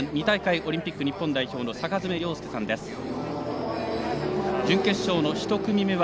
２大会オリンピック日本代表の坂爪亮介さんです。